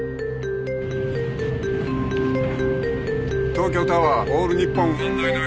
東京タワーオールニッポン１９８０。